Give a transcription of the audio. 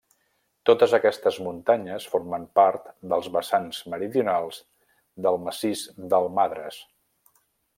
Totes aquestes muntanyes formen part dels vessants meridionals del massís del Madres.